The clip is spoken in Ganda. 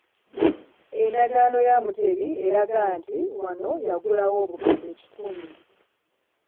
Endagaano ya Mutebi eraga nti wano yagulawo obukadde kikumi.